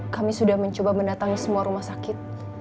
kami sudah mencoba mendatangi semua rumah sakit